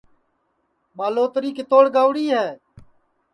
ٻالوتری کِتوڑ گئوڑی ہے